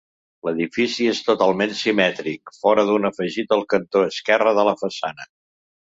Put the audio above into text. L'edifici és totalment simètric fora d'un afegit al cantó esquerre de la façana.